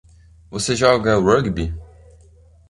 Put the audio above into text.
Você joga rugby?